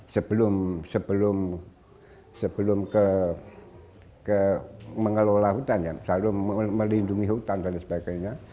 sebelum ke mengelola hutan ya selalu melindungi hutan dan sebagainya